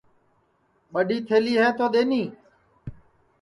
ٻڈؔی تھلی ہے تو دؔیٹؔی